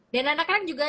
dan anak anak juga